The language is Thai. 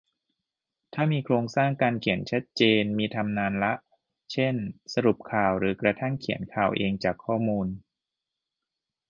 ถ้ามีโครงสร้างการเขียนชัดเจนมีทำนานละ เช่น สรุปข่าว หรือกระทั่งเขียนข่าวเองจากข้อมูล